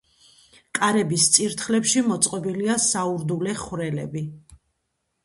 კარების წირთხლებში მოწყობილია საურდულე ხვრელები.